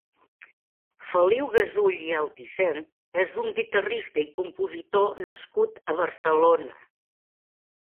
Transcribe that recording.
Feliu Gasull i Altisent és un guitarrista i compositor nascut a Barcelona.